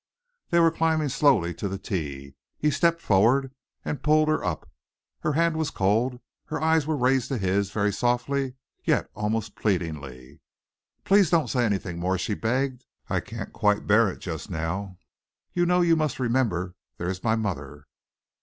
They were climbing slowly on to the tee. He stepped forward and pulled her up. Her hand was cold. Her eyes were raised to his, very softly yet almost pleadingly. "Please don't say anything more," she begged. "I can't quite bear it just now. You know, you must remember there is my mother.